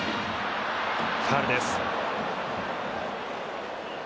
ファウルです。